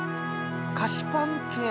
菓子パン系。